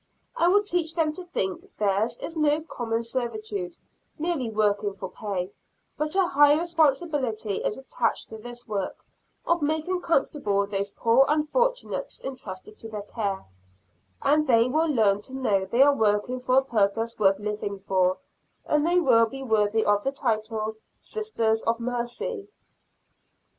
I will teach them to think theirs is no common servitude merely working for pay but a higher responsibility is attached to this work, of making comfortable those poor unfortunates entrusted to their care, and they will learn to know they are working for a purpose worth living for; and they will be worthy of the title, "Sisters of Mercy."